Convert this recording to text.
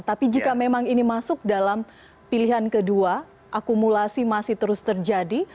tapi jika memang ini masuk dalam pilihan kedua akumulasi masih terus terjadi